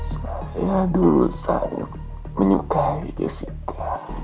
saya dulu sangat menyukai jessica